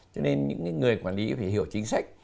cho nên những người quản lý phải hiểu chính sách